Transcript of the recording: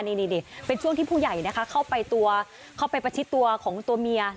นี่เป็นช่วงที่ผู้ใหญ่นะคะเข้าไปตัวเข้าไปประชิดตัวของตัวเมีย